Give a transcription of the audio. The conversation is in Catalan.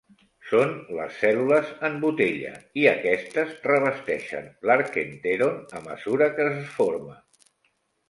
Són les cèl·lules en botella i aquestes revesteixen l'arquènteron a mesura que es forma.